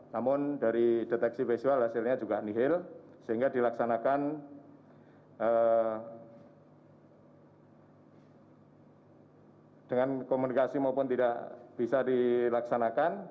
namun dari deteksi visual hasilnya juga nihil sehingga dilaksanakan dengan komunikasi maupun tidak bisa dilaksanakan